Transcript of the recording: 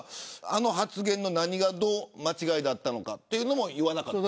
あの発言の何がどう間違いだったのかというのも言わなかった。